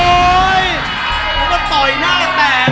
วันนี้ต่อไปหน้าแตก